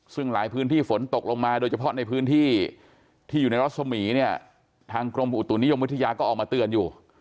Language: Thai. ซึ่งหลายพื้นที่ฝนตกลงมาโดยเฉพาะในพื้นที่ที่อยู่ในรัศมีร์เนี่ยทางกรมอุตุนิยมวิทยาก็ออกมาเตือนอยู่